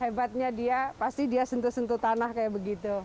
hebatnya dia pasti dia sentuh sentuh tanah kayak begitu